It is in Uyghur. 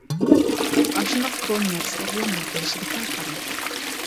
ئاشۇنداق كونا نەرسىلەر بىلەن ھەپىلىشىدىكەن قارا.